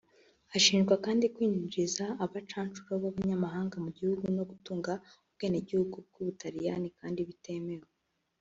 Ashinjwa kandi kwinjiza abacancuro b’abanyamahanga mu gihugu no gutunga ubwenegihugu bw’u Butaliyani kandi bitemewe